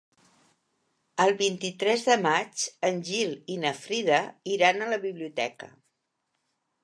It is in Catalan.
El vint-i-tres de maig en Gil i na Frida iran a la biblioteca.